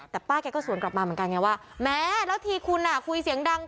แต่ป้าแกก็สวนกลับมาเหมือนกันไงว่าแม้แล้วทีคุณคุยเสียงดัง